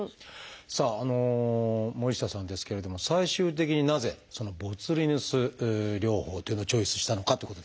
さあ森下さんですけれども最終的になぜボツリヌス療法というのをチョイスしたのかということですが。